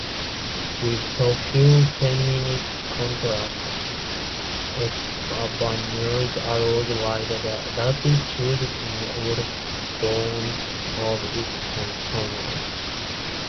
With so few phonemic contrasts, Xavante allows wide latitude in allophones of its consonants.